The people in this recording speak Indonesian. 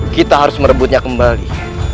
kita harus merebutnya kembali